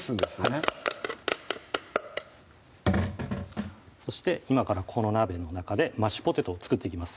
はいそして今からこの鍋の中でマッシュポテトを作っていきます